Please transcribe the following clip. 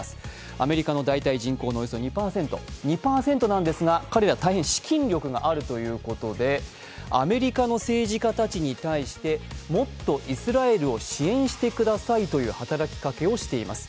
アメリカの大体、人工の２％、２％ですが、彼らは大変資金力があるということでアメリカの政治家たちに対して、もっとイスラエルを支援してくださいという働きかけをしています